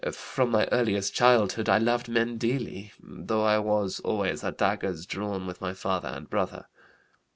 From my earliest childhood I loved men dearly, though I was always at daggers drawn with my father and brother.